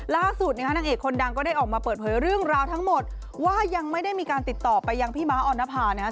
ล่าสุดนะฮะนางเอกคนดังก็ได้ออกมาเปิดเผยเรื่องราวทั้งหมดว่ายังไม่ได้มีการติดต่อไปยังพี่ม้าออนภานะครับ